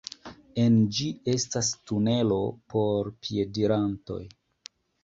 En ĝi estas tunelo por piedirantoj.